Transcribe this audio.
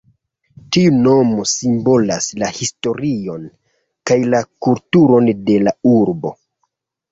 Tiu nomo simbolas la historion kaj la kulturon de la urbo.